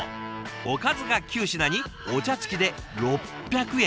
おかずが９品にお茶付きで６００円！